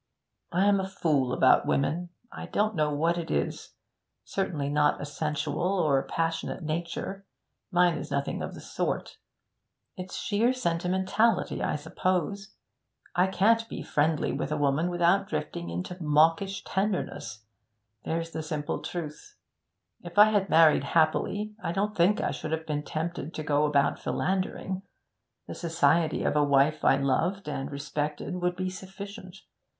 I am a fool about women. I don't know what it is certainly not a sensual or passionate nature; mine is nothing of the sort. It's sheer sentimentality, I suppose. I can't be friendly with a woman without drifting into mawkish tenderness there's the simple truth. If I had married happily, I don't think I should have been tempted to go about philandering. The society of a wife I loved and respected would be sufficient.